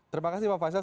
terima kasih pak faisal